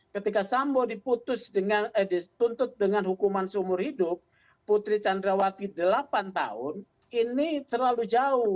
ketika sambo dituntut dengan hukuman seumur hidup putri candrawati delapan tahun ini terlalu jauh